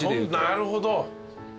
なるほど。